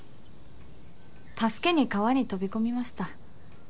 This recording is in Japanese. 助けに川に飛び込みました。